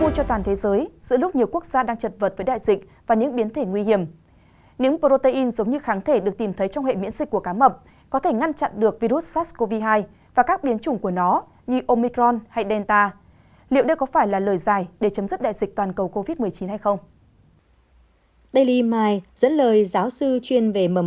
các bạn hãy đăng ký kênh để ủng hộ kênh của chúng mình nhé